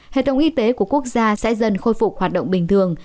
hệ thống y tế của quốc gia sẽ dần khôi phục hoạt động bình thường